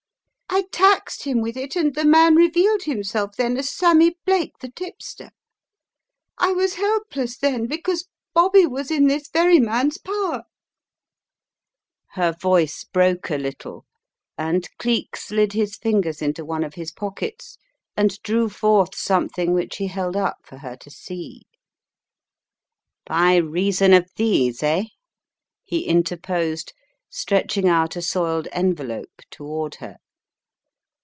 I taxed him with it, and the man revealed himself then as Sammy Blake, the tipster. I was helpless then, because Bobby was in this very man's power " Her voice broke a little and Cleek slid his fingers 300 The Riddle of the Purple Emperor into one of his pockets and drew forth something which he held up for her to see. "By reason of these, eh?" he interposed, stretch ing out a soiled envelope toward her.